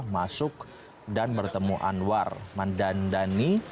masuk dan bertemu anwar mendandani